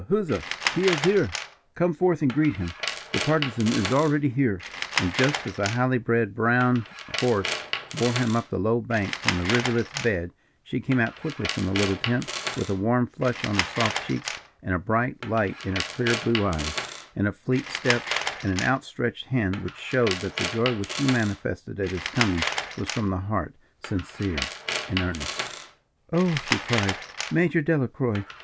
huzza! He is here come forth and greet him. The Partisan is here already." And just as the highly bred brown horse bore him up the low bank from the rivulet's bed, she came out quickly from the little tent with a warm flush on her soft cheeks and a bright light in her clear blue eye, and a fleet step, and an out stretched hand, which showed that the joy which she manifested at his coming was from the heart, sincere and earnest. "Oh!" she cried, "Major Delacroix!"